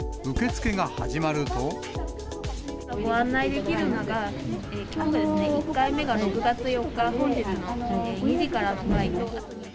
ご案内できるのが、きょう、１回目が６月４日、本日の２時からの回と。